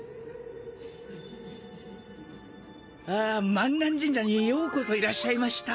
あ満願神社にようこそいらっしゃいました。